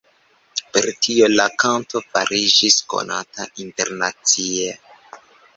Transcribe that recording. Per tio la kanto fariĝis konata internacie.